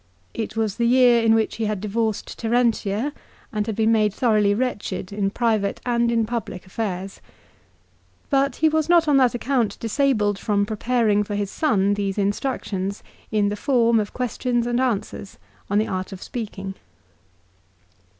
It was the year iii which he had divorced Terentia and had been made thoroughly wretched in private and in public affairs. But he was not on that account disabled from preparing for his son these instructions, in the form of questions and answers, on the art of speaking.